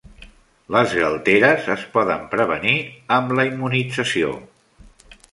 Les galteres es poden prevenir amb la immunització.